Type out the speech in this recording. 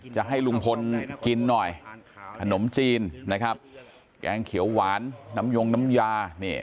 จะให้ลุงพลกินหน่อยขนมจีนนะครับแกงเขียวหวานน้ำยงน้ำยา